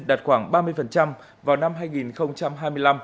đạt khoảng ba mươi vào năm hai nghìn hai mươi năm